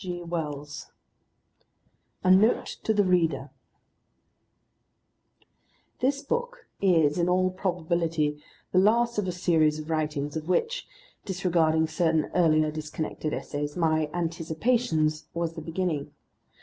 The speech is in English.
G. WELLS A NOTE TO THE READER This book is in all probability the last of a series of writings, of which disregarding certain earlier disconnected essays my Anticipations was the beginning.